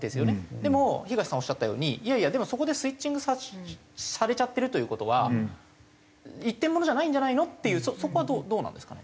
でも東さんがおっしゃったようにでもそこでスイッチングされちゃってるという事は一点物じゃないんじゃないの？っていうそこはどうなんですかね？